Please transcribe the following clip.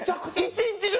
一日中？